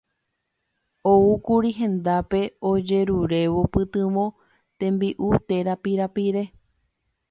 Oúkuri hendápe ojerurévo pytyvõ, tembi'u térã pirapire.